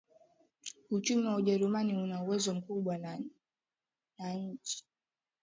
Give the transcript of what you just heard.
Uchumi wa Ujerumani una uwezo mkubwa na ni nchi